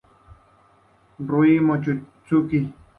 Ryuji Mochizuki